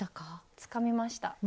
つかみました。